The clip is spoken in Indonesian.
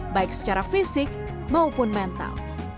baik secara fisik maupun mental